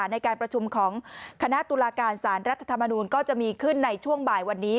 ในการประชุมของคณะตุลาการสารรัฐธรรมนูลก็จะมีขึ้นในช่วงบ่ายวันนี้